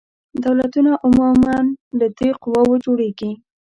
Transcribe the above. دولتونه عموماً له درې قواوو جوړیږي.